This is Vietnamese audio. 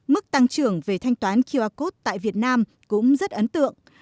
mức tăng trưởng về thanh toán qr code tại việt nam cũng rất ấn tượng